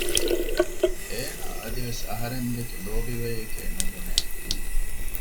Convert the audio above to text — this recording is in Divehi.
އޭނަ އަދިވެސް އަހަރެން ދެކެ ލޯބިވެޔެކޭ ނުބުނެ